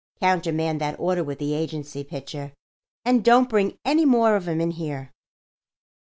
Countermand that order with the agency, Pitcher, and don't bring any more of 'em in here."